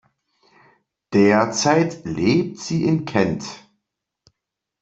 Derzeit lebt sie in Kent.